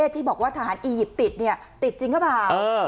ที่บอกว่าทหารอียิปต์ติดติดจริงหรือเปล่า